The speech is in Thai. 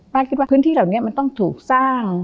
คิดว่าพื้นที่เหล่านี้มันต้องถูกสร้าง